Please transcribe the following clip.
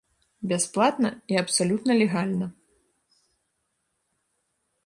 Бясплатна і абсалютна легальна.